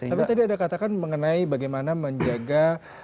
tapi tadi ada katakan mengenai bagaimana menjaga